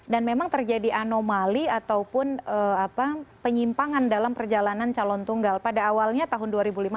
dan memang terjadi anomali ataupun penyimpangan dalam perjalanan calon tunggal pada awalnya tahun dua ribu lima belas